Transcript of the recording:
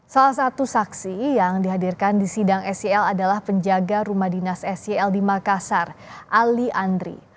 salah satu saksi yang dihadirkan di sidang sel adalah penjaga rumah dinas sel di makassar ali andri